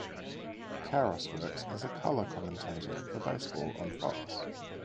Karros works as a color commentator for baseball on Fox.